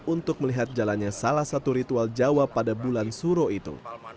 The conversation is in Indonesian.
untuk melihat jalannya salah satu ritual jawa pada bulan suro itu